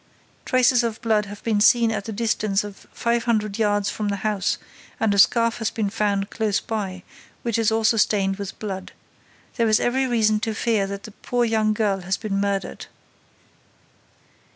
Traces of blood have been seen at a distance of five hundred yards from the house and a scarf has been found close by, which is also stained with blood. There is every reason to fear that the poor young girl has been murdered.